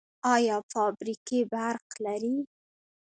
آیا فابریکې برق لري؟